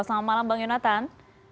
selamat malam bang yonatan